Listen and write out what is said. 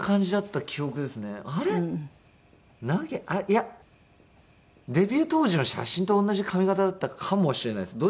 いやデビュー当時の写真と同じ髪形だったかもしれないです。